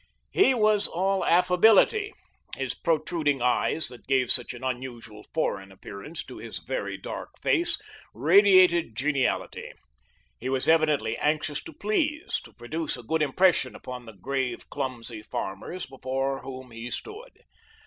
He was all affability; his protruding eyes, that gave such an unusual, foreign appearance to his very dark face, radiated geniality. He was evidently anxious to please, to produce a good impression upon the grave, clumsy farmers before whom he stood.